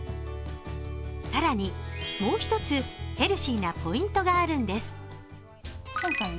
更に、もう一つヘルシーなポイントがあるんです。